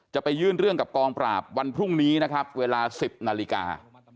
จะไปยื่นเรื่องกับกองปราบวันพรุ่งนี้นะครับเวลา๑๐นาฬิกา